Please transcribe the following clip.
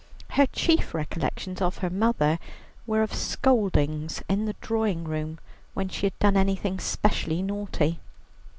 Her chief recollections of her mother were of scoldings in the drawing room when she had done anything specially naughty.